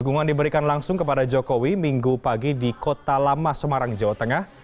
dukungan diberikan langsung kepada jokowi minggu pagi di kota lama semarang jawa tengah